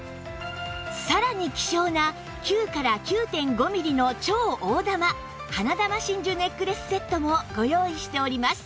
さらに希少な９から ９．５ ミリの超大珠花珠真珠ネックレスセットもご用意しております